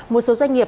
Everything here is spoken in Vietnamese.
một số doanh nghiệp